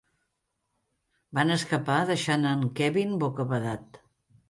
Van escapar, deixant en Kevin bocabadat.